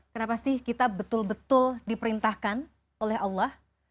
kenapa sih kita betul betul diperintahkan oleh allah